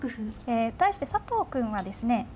え対して佐藤くんはですね